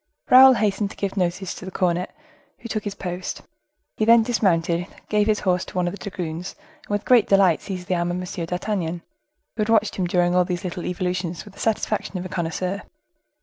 Raoul hastened to give notice to the cornet, who took his post; he then dismounted, gave his horse to one of the dragoons, and with great delight seized the arm of M. d'Artagnan, who had watched him during all these little evolutions with the satisfaction of a connoisseur.